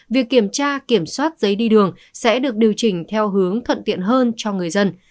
việc kiểm tra kiểm soát giấy đi đường sẽ được điều chỉnh theo hướng thuận tiện hơn cho người dân